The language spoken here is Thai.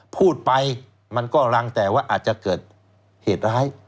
พูดไปมันก็รังแต่ว่าอาจจะเกิดเหตุร้าย